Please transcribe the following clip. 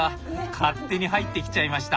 勝手に入ってきちゃいました。